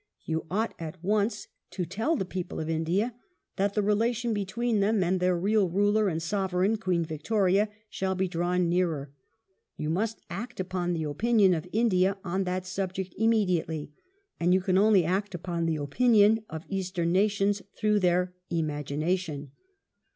" You ought at once ... to tell the people of India that the relation between them and their real ruler and Sovereign Queen Victoria shall be drawn nearer. You must act upon the opinion of India on that subject immediately, and you can only act upon the opinion of Eastern nations through their imagination."